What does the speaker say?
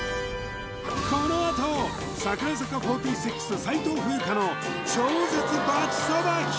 このあと櫻坂４６・齋藤冬優花の超絶バチさばき